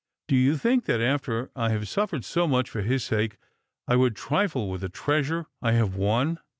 Do you think that after I have suffered so much for his sake I would trifle with the treasure I have won